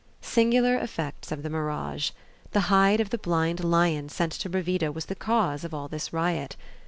Singular effects of the mirage! the hide of the blind lion sent to Bravida was the cause of all this riot.